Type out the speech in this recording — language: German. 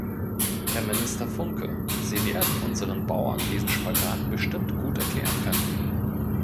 Herr Minister Funke, Sie werden unseren Bauern diesen Spagat bestimmt gut erklären können.